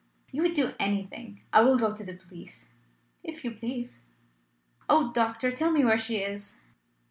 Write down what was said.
"You would do anything! I will go to the police." "If you please." "Oh! doctor, tell me where she is!"